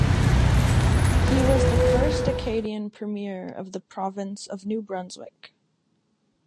He was the first Acadian premier of the province of New Brunswick.